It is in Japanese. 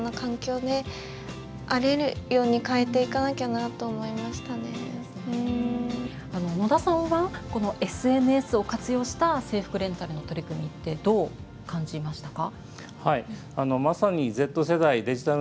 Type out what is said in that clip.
何かそうやって野田さんはこのＳＮＳを活用した制服レンタルの取り組みってどう感じましたか？